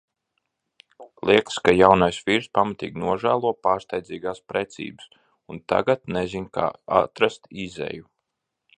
Liekās, ka jaunais vīrs pamatīgi nožēlo pārsteidzīgās precības, un tagad nezin kā atrast izeju.